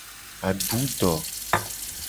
Adu do.